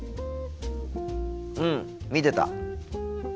うん見てた。